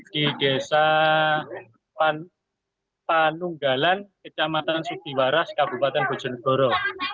di desa panunggalan kecamatan sudiwaras kabupaten bojonegoro